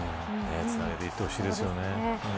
つなげていってほしいですよね。